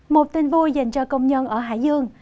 một tin vui dành cho công nhân ở hải dương